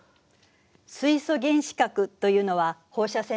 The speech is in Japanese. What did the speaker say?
水素原子核というのは放射線の一種ね。